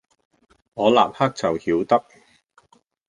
我立刻就曉得，